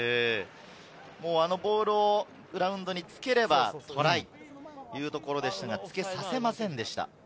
あのボールをグラウンドにつければトライというところでしたが、つけさせませんでした。